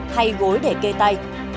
thay gối để kê tay